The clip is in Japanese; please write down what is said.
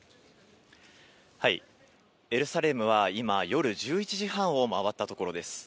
エルサレムは今、夜１１時半を回ったところです。